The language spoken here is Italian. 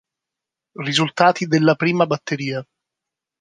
Risultati della prima batteria.